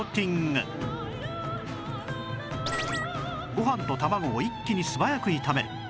ご飯と卵を一気に素早く炒める